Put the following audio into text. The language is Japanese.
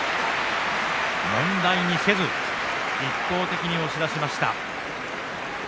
問題にせず一方的に押し出しました。